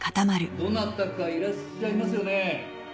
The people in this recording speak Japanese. どなたかいらっしゃいますよね？